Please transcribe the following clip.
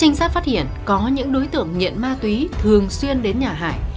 trinh sát phát hiện có những đối tượng nghiện ma túy thường xuyên đến nhà hải